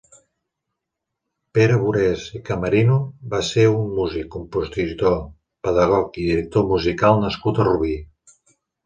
Pere Burés i Camerino va ser un músic, compositor, pedagog i director musical nascut a Rubí.